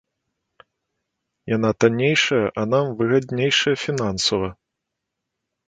Яна таннейшая, а нам выгаднейшая фінансава.